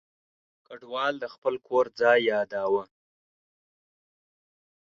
کډوال د خپل کور ځای یاداوه.